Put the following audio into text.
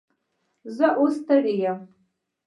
زه اوس ستړی یم